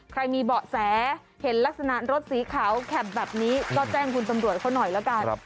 ใครมีเบาะแสเห็นลักษณะรถสีขาวแข็บแบบนี้ก็แจ้งคุณตำรวจเขาหน่อยแล้วกัน